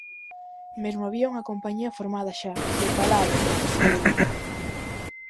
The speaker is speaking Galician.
Mesmo había unha compañía formada xa, de palabra, asegura.